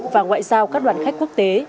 và ngoại giao các đoàn khách quốc tế